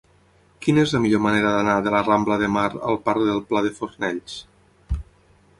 Quina és la millor manera d'anar de la rambla de Mar al parc del Pla de Fornells?